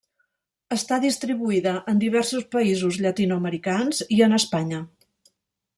Està distribuïda en diversos països llatinoamericans i en Espanya.